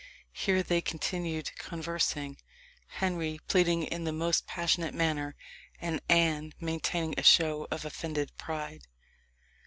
Here they continued conversing Henry pleading in the most passionate manner, and Anne maintaining a show of offended pride.